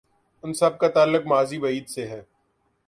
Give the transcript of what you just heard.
ان سب کا تعلق ماضی بعید سے ہے۔